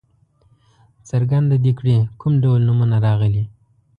څرګنده دې کړي کوم ډول نومونه راغلي.